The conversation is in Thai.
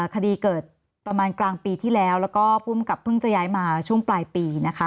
คดีเกิดประมาณกลางปีที่แล้วแล้วก็ภูมิกับเพิ่งจะย้ายมาช่วงปลายปีนะคะ